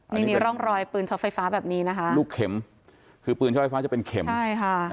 นี่นี่ร่องรอยปืนช็อตไฟฟ้าแบบนี้นะคะลูกเข็มคือปืนช็อตไฟฟ้าจะเป็นเข็มใช่ค่ะ